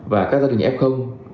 và các gia đình f